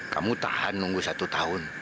kamu tahan nunggu satu tahun